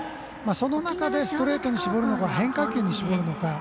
その中でストレートに絞るのか変化球に絞るのか。